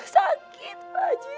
sakit pak haji